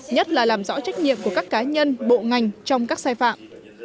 nhất là làm rõ trách nhiệm của các cá nhân bộ ngành trong các sai phạm